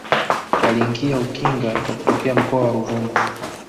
Waliingia Ukinga kwa kutokea mkoa wa Ruvuma